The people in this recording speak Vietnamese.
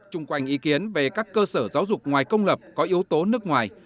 trung quanh ý kiến về các cơ sở giáo dục ngoài công lập có yếu tố nước ngoài